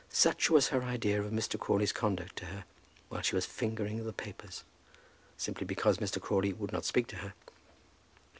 Such was her idea of Mr. Crawley's conduct to her, while she was fingering the papers, simply because Mr. Crawley would not speak to her.